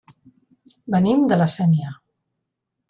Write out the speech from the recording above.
Venim de La Sénia.